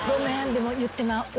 でも言ってまう。